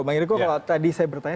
bang eriko kalau tadi saya bertanya